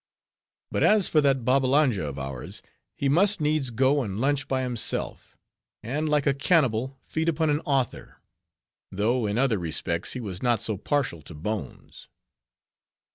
But as for that Babbalanja of ours, he must needs go and lunch by himself, and, like a cannibal, feed upon an author; though in other respects he was not so partial to bones.